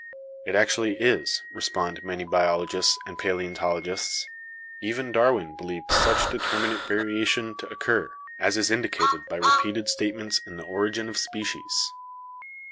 It actually is, respond many biologists and paleontologists. Even Darwin believed such determinate variation to oc cur, as is indicated by repeated statements in the 'Origin of Species.'